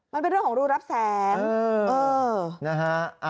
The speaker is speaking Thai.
มันเป็นเรื่องของรูรับแสงนะฮะ